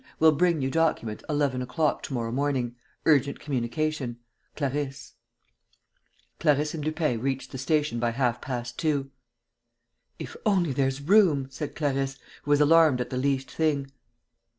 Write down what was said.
Will bring you document eleven o'clock to morrow morning. Urgent communication. "CLARISSE." Clarisse and Lupin reached the station by half past two. "If only there's room!" said Clarisse, who was alarmed at the least thing.